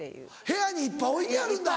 部屋にいっぱい置いてあるんだ。